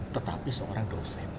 tetapi seorang dosen